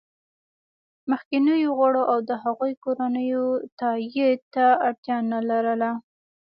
مخکینیو غړو او د هغوی کورنیو تایید ته اړتیا نه لرله